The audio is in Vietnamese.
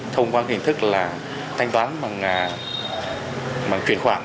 thông qua hình thức là thanh toán bằng chuyển khoản